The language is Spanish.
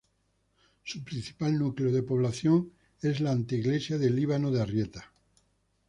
Su principal núcleo de población es la anteiglesia de Líbano de Arrieta.